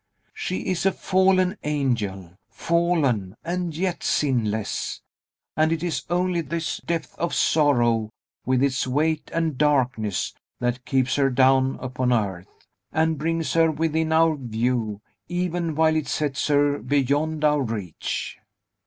She is a fallen angel, fallen, and yet sinless; and it is only this depth of sorrow, with its weight and darkness, that keeps her down upon earth, and brings her within our view even while it sets her beyond our reach."